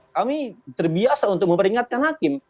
kami terbiasa untuk memperingatkan hakim